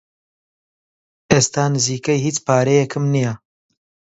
ئێستا نزیکەی هیچ پارەیەکم نییە.